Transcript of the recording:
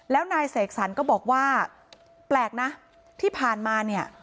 แล้วนายเสกสรรก็บอกว่าแปลกนะที่ผ่านมาเนี่ย